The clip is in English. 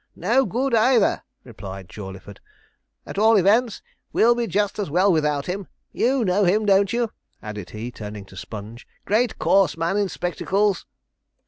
'No good either,' replied Jawleyford 'at all events, we'll be just as well without him. You know him, don't you?' added he, turning to Sponge 'great coarse man in spectacles.'